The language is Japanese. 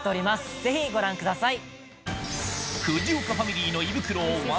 ぜひご覧ください。